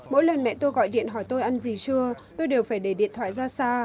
mỗi lần mẹ tôi gọi điện hỏi tôi ăn gì chưa tôi đều phải để điện thoại ra xa